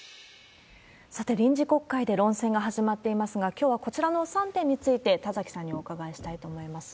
さて、臨時国会で論戦が始まっていますが、きょうはこちらの３点について、田崎さんにお伺いしたいと思います。